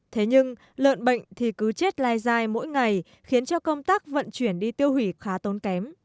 thế nhưng lợn bệnh thì cứ chết lai dai mỗi ngày khiến cho công tác vận chuyển đi tiêu hủy khá tốn kém